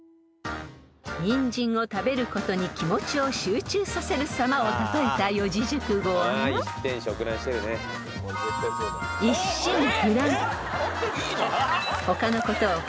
［ニンジンを食べることに気持ちを集中させるさまを例えた四字熟語は］